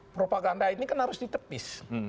propaganda ini kan harus ditepis